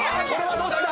⁉どっちだ